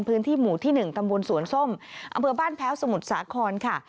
พื้นที่หมู่ที่๑ตำบลสวนส้มอำเภอบ้านแพ้วสมุทรสาครค่ะ